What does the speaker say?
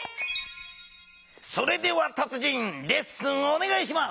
それでは達人レッスンおねがいします。